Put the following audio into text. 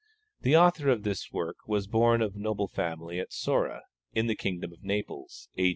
The author of this work was born of noble family at Sora, in the kingdom of Naples, A.